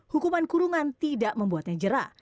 hukuman kurungan tidak membuatnya jerah